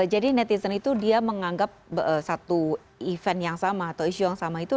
jadi netizen itu dia menganggap satu event yang sama atau isu yang sama itu